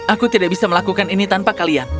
aku tidak bisa melakukan ini tanpa kalian